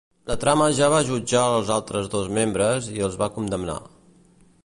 La trama ja va jutjar els altres dos membres i els va condemnar.